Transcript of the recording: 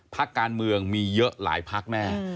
พักการเมืองมีเยอะหลายพักแน่